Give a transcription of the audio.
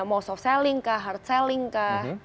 mau soft selling kah hard selling kah